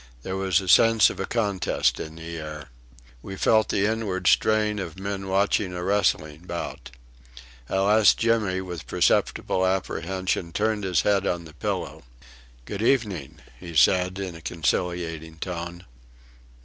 There was a sense of a contest in the air. We felt the inward strain of men watching a wrestling bout. At last Jimmy with perceptible apprehension turned his head on the pillow. "Good evening," he said in a conciliating tone.